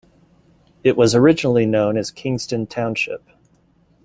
It was originally known as Kingston Township.